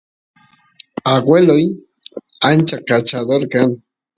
agueloy ancha kachador kan